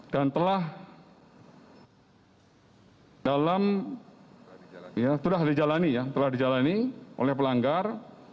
dan telah dijalani oleh pelanggar